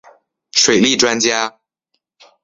水利专家。